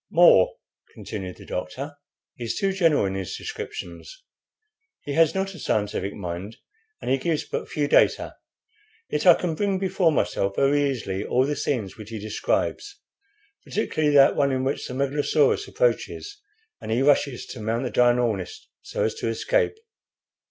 "More," continued the doctor, "is too general in his descriptions. He has not a scientific mind, and he gives but few data; yet I can bring before myself very easily all the scenes which he describes, particularly that one in which the megalosaurus approaches, and he rushes to mount the dinoris so as to escape.